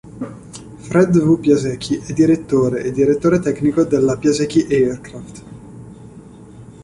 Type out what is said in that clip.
Fred W. Piasecki è direttore e direttore tecnico della Piasecki Aircraft.